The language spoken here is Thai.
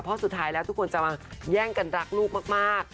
เพราะสุดท้ายแล้วทุกคนจะมาแย่งกันรักลูกมาก